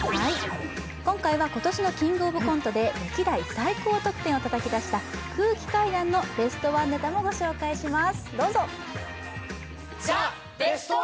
今回は今年の「キングオブコント」で歴代最高点をたたき出した空気階段のベストワンネタもご紹介します。